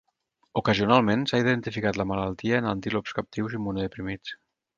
Ocasionalment, s'ha identificat la malaltia en antílops captius immunodeprimits.